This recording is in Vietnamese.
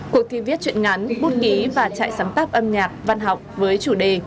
cuộc thi viết chuyện ngắn bút ký và trại sáng tác âm nhạc văn học với chủ đề